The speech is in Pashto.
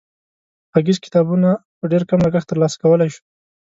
غږیز کتابونه په ډېر کم لګښت تر لاسه کولای شو.